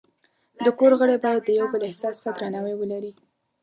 د کور غړي باید د یو بل احساس ته درناوی ولري.